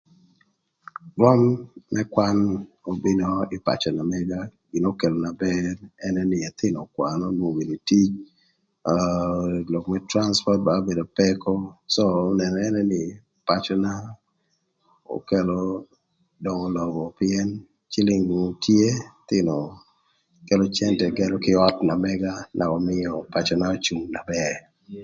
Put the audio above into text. Rwöm më kwan obino ï pacö na mëga gin n'okelo na bër ënë nï, ëthïnö ökwanö, onwongo gïnï tic aa lok më trancpot ba obedo pëkö co ënë nï, pacöna okelo döngö lobo pïën cïlïng do tye, ëthïnö kelo cente gërö kï öt na mëga naka ömïö pacöna ocung na bër.